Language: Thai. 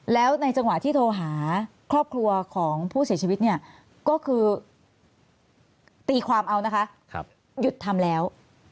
แล้วในจังหวะที่โทรหาครอบครัวของผู้เสียชีวิตเนี่ยก็คือตีความเอานะคะหยุดทำแล้ว